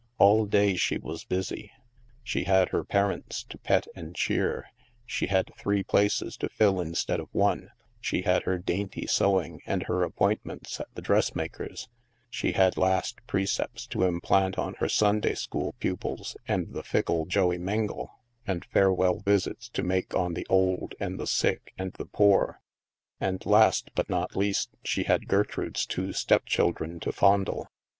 All day she was busy. She had her parents to pet and cheer, she had three places to fill instead of one, she had her dainty sew ing and her appointments at the dressmaker's; she had last precepts to implant on her Sunday school pupils and the fickle Joey Mengle, and farewell visits to make on the old, and the sick, and the poor ; and last, but not least, she had Gertrude's two step chil dren to fondle.